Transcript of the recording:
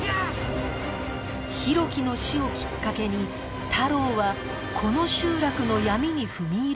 浩喜の死をきっかけに太郎はこの集落の闇に踏み入れていく